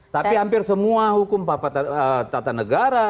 tapi hampir semua hukum tata negara